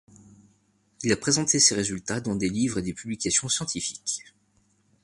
Il a présenté ces résultats dans des livres et des publications scientifiques.